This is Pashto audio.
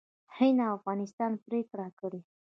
هند او افغانستان پرېکړه کړې